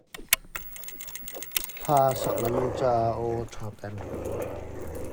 Hla a sak lengmang caah a aw a ṭha peng.